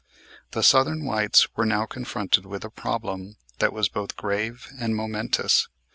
The Southern whites were now confronted with a problem that was both grave and momentous.